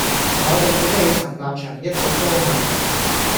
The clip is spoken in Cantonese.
我哋管理層立場一直都係